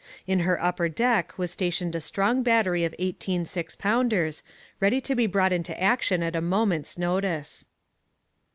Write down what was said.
On her upper deck was stationed a strong battery of eighteen six pounders, ready to be brought into action at a moment's notice.